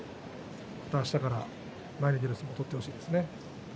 あしたから前に出る相撲を取ってほしいですね。